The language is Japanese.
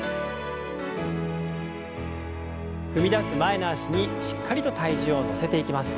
踏み出す前の脚にしっかりと体重を乗せていきます。